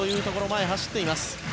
前を走っています。